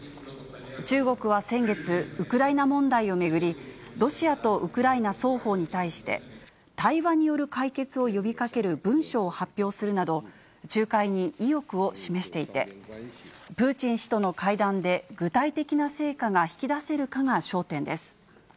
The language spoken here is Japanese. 中国は先月、ウクライナ問題を巡り、ロシアとウクライナ双方に対して、対話による解決を呼びかける文書を発表するなど、仲介に意欲を示していて、プーチン氏との会談で具体的な成果が引き出せるかが焦点です。